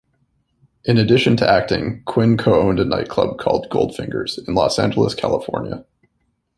In addition to acting, Quinn co-owned a nightclub called "Goldfingers" in Los Angeles, California.